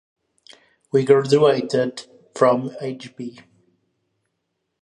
He graduated from H. B.